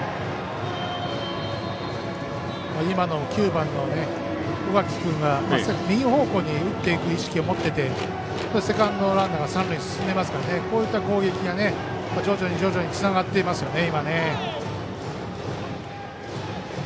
９番の小垣君が右方向に打っていく意識を持っていてセカンドのランナーが三塁に進んでいますからこういった攻撃が徐々につながっていますよね。